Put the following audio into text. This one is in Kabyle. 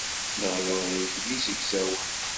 Lehdur-ik d izegzawen.